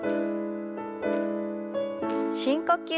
深呼吸。